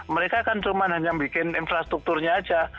mereka kan cuma hanya bikin infrastrukturnya aja